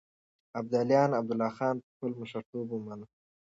ابداليانو عبدالله خان په خپل مشرتوب ومنه.